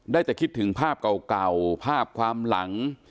ได้แต่คิดถึงภาพเก่าภาพความหลัง